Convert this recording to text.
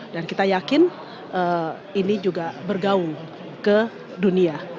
dan kita yakin ini juga bergaung ke dunia